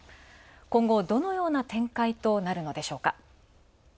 今後、どのような展開となるのでしょうか。